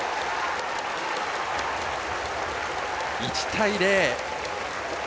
１対０。